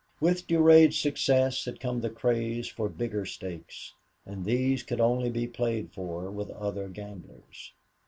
With Durade's success had come the craze for bigger stakes, and these could only be played for with other gamblers.